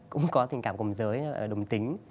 cũng có tình cảm cùng giới đồng tính